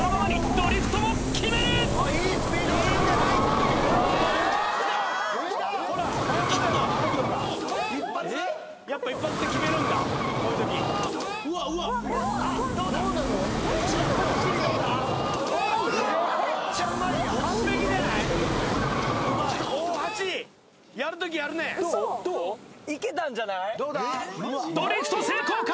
ドリフト成功か？